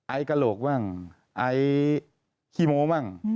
ไอ้กะโหลกบ้างไอ้ขี้โม้บ้าง